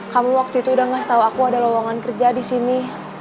kamu waktu itu udah ngasih tau aku ada lowongan kerja disini